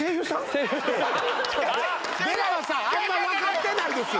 出川さん！あんまり分かってないですよ！